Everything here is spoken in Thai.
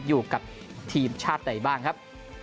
อยู่กับทีมชาติใดบ้างครับ